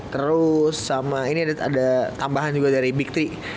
terus sama ini ada tambahan juga dari big tiga